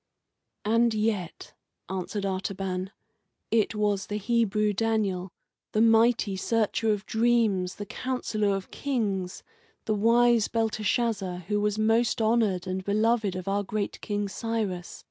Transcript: "And yet," answered Artaban, "it was the Hebrew Daniel, the mighty searcher of dreams, the counsellor of kings, the wise Belteshazzar, who was most honoured and beloved of our great King Cyrus.